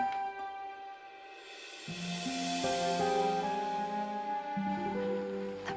tapi bang itu bukan untuk nyudutin rum